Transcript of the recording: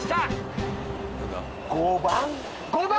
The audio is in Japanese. ５番。